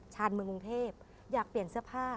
ชาญเมืองกรุงเทพอยากเปลี่ยนเสื้อผ้า